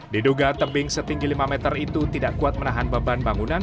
diduga tebing setinggi lima meter itu tidak kuat menahan beban bangunan